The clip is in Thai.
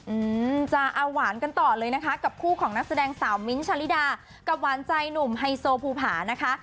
อืมจะเอาหวานกันต่อเลยนะคะกับคู่ของนักแสดงสาวมิ้นท์ชาลิดากับหวานใจหนุ่มไฮโซภูผานะคะ